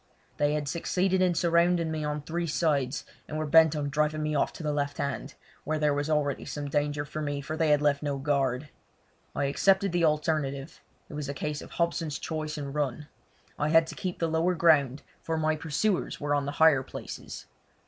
They had succeeded in surrounding me on three sides, and were bent on driving me off to the left hand, where there was already some danger for me, for they had left no guard. I accepted the alternative—it was a case of Hobson's choice and run. I had to keep the lower ground, for my pursuers were on the higher places.